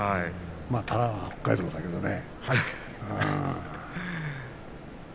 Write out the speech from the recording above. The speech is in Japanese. また、北海道だけどね。